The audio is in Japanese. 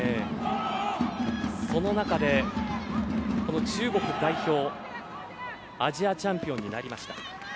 その中で、中国代表アジアチャンピオンになりました。